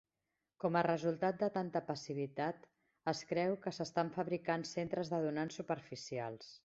Com a resultat de tanta passivitat, es creu que s'estan fabricant centres de donants superficials.